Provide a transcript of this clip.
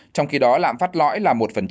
trong khi đó lạm phát lõi là một